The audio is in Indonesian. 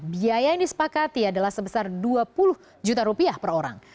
biaya yang disepakati adalah sebesar dua puluh juta rupiah per orang